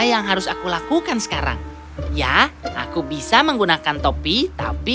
kemudian aku harus memotong rambut aku harus memotong rambut aku harus memotong rambut aku harus memotong